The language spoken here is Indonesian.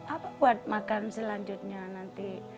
apa buat makan selanjutnya nanti